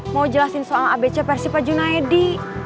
mau jelasin soal abc persipa junaidi